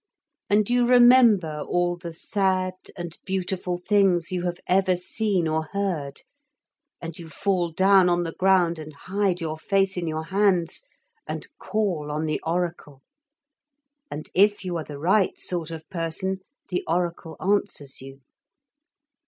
And you remember all the sad and beautiful things you have ever seen or heard, and you fall down on the ground and hide your face in your hands and call on the oracle, and if you are the right sort of person the oracle answers you.